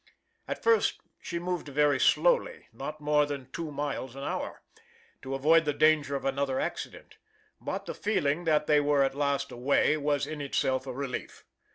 At first she moved very slowly, not more than two miles an hour, to avoid the danger of another accident, but the feeling that they were at last away was in itself a relief.